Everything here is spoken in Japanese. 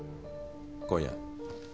今夜。